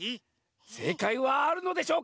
せいかいはあるのでしょうか？